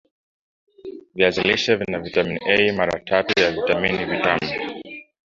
viazi lishe vina vitamin A mara tatu ya viazi vitamu